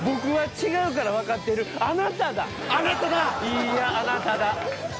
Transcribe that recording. いやあなただ。